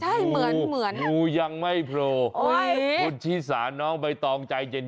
เหมือนฮะดูยังไม่โพโรอุ้ยผู้ที่สาน้องไปตองใจเย็น